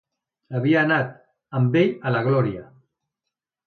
Havia anat amb ell a la gloria